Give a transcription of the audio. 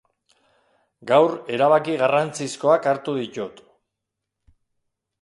Gaur erabaki garrantzizkoak hartu ditut.